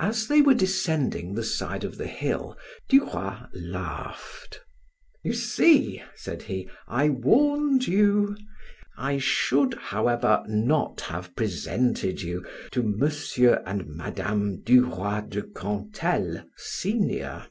As they were descending the side of the hill, Duroy laughed. "You see," said he, "I warned you. I should, however, not have presented you to M. and Mme. du Roy de Cantel, senior."